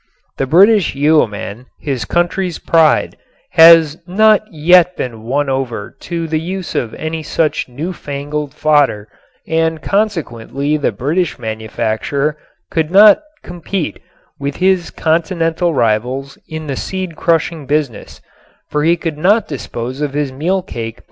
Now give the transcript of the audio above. The British yeoman, his country's pride, has not yet been won over to the use of any such newfangled fodder and consequently the British manufacturer could not compete with his continental rivals in the seed crushing business, for he could not dispose of his meal cake by product as did they.